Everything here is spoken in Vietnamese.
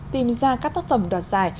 tìm ra các tác phẩm đoạt dài